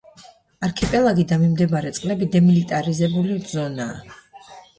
არქიპელაგი და მიმდებარე წყლები დემილიტარიზებული ზონაა.